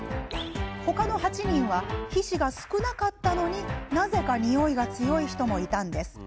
他の８人は皮脂が少なかったのになぜかにおいが強い人もいたんです。